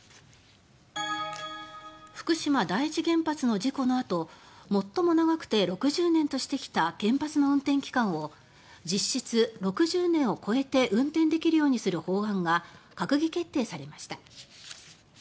福島第一原発の事故のあと最も長くて６０年としてきた原発の運転期間を実質６０年を超えて運転できるようにする法案が閣議決定されました。